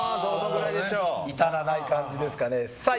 至らない感じですかね。